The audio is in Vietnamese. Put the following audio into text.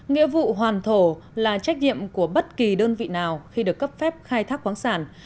nghĩa vụ hoàn thổ là trách nhiệm của bất kỳ đơn vị nào khi được cấp phép khai thác khoáng sản